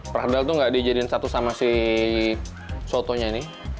perkedel itu nggak dijadiin satu sama si sotonya ini